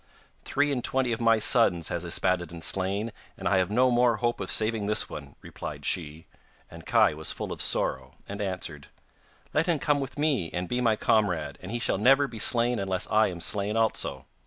'Three and twenty of my sons has Yspaddaden slain, and I have no more hope of saving this one,' replied she, and Kai was full of sorrow and answered: 'Let him come with me and be my comrade, and he shall never be slain unless I am slain also.